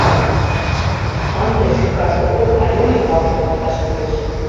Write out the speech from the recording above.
— Ынде шӱкаш огыл, а йол ӱмбак шогалташ кӱлеш.